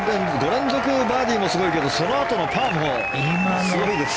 ５連続バーディーもすごいけどそのあとのパーもすごいです。